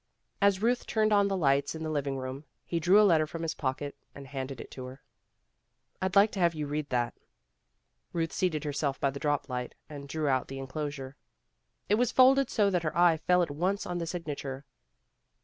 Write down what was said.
As Ruth turned on the lights in the living room, he drew a letter from his pocket and handed it to her. "I'd like to have you read that." Ruth seated herself by the drop light, and drew out the enclosure. It was folded so that her eye fell at once on the signature.